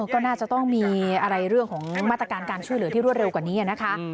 ก็น่าจะต้องมีอะไรเรื่องของมาตรการการช่วยเหลือที่รวดเร็วกว่านี้นะคะ